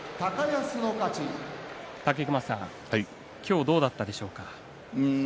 武隈さん、今日はどうだったでしょうか。